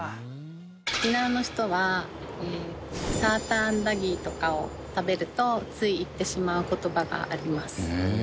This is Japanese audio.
沖縄の人はサーターアンダギーとかを食べるとつい言ってしまう言葉があります。